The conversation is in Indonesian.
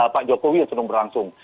pak jokowi yang sudah berlangsung